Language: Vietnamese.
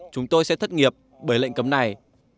chúng tôi sẽ thất nghiệp bởi lệnh cấm này